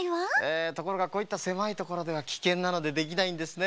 ところがこういったせまいところではきけんなのでできないんですねえ。